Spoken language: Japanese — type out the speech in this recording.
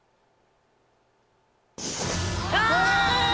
あ！